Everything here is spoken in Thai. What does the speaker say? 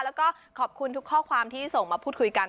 แล้วก็ขอบคุณทุกข้อความที่ส่งมาพูดคุยกัน